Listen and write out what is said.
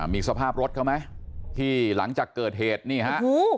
มีสภาพรถเขาไหมที่หลังจากเกิดเหตุนี่ฮะ